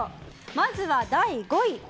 まずは第５位。